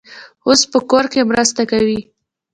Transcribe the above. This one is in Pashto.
اوس په کور کې مرسته کوي.